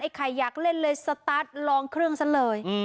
ใครอยากเล่นเลยสตาร์ทลองเครื่องซะเลย